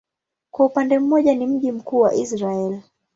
Kwa upande mmoja ni mji mkuu wa Israel.